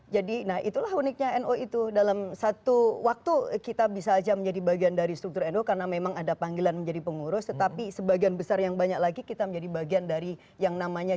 jadi nah itulah uniknya nu itu dalam satu waktu kita bisa aja menjadi bagian dari struktur nu karena memang ada panggilan menjadi pengurus tetapi sebagian besar yang banyak lagi kita menjadi bagian dari yang namanya nu